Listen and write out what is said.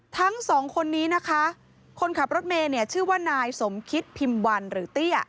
ทั้งสองคนนี้นะคะคนขับรถเมย์เนี่ยชื่อว่านายสมคิดพิมพ์วันหรือเตี้ย